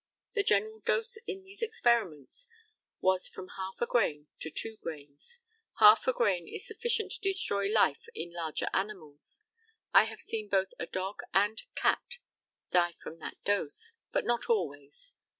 The general dose in these experiments was from half a grain to two grains. Half a grain is sufficient to destroy life in the larger animals. I have seen both a dog and cat die from that dose, but not always.